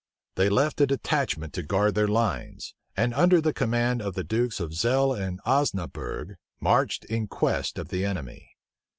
They left a detachment to guard their lines, and, under the command of the dukes of Zell and Osnaburgh, marched in quest of the enemy.